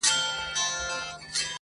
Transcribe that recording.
وايي د مُلا کتاب خاص د جنتونو باب!.